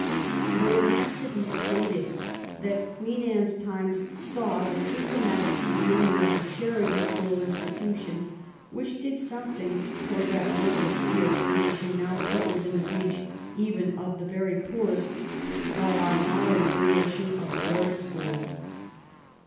But it has to be stated that Queen Anne's times saw the systematic beginning of the charity school insti tution, which did something towards that work of free education now put within the reach even of the very poorest by our modem creation of Board Schools.